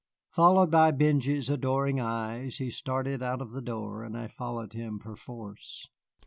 Followed by Benjy's adoring eyes, he started out of the door, and I followed him perforce.